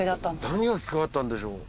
何がきっかけだったんでしょう。